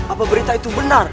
apa berita itu benar